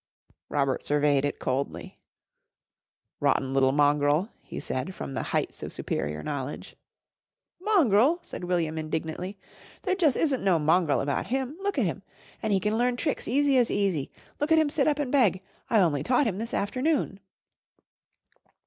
Robert surveyed it coldly. "Rotten little mongrel!" he said from the heights of superior knowledge. "Mongrel!" said William indignantly. "There jus' isn't no mongrel about him. Look at him! An' he can learn tricks easy as easy. Look at him sit up and beg. I only taught him this afternoon."